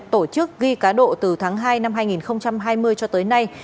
tổ chức ghi cá độ từ tháng hai năm hai nghìn hai mươi cho tới nay